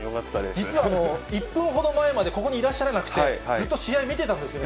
実は１分ほど前までここにいらっしゃらなくて、ずっと試合見てたんですよね。